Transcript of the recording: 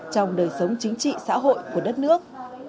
trong đời sống chính trị xã hội của đất nước